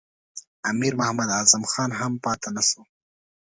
امیر محمد اعظم خان هم پاته نه شو.